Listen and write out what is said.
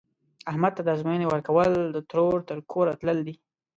احمد ته د ازموینې ورکول، د ترور تر کوره تلل دي.